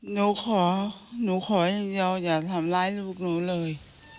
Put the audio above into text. หนูขอหนูขออย่างเดียวอย่าทำร้ายลูกหนูเลย